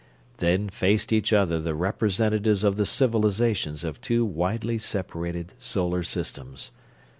Then faced each other the representatives of the civilizations of two widely separated solar systems.